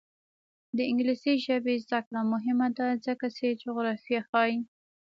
د انګلیسي ژبې زده کړه مهمه ده ځکه چې جغرافیه ښيي.